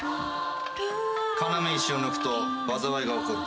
要石を抜くと災いが起こる。